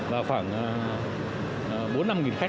và khoảng bốn năm nghìn khách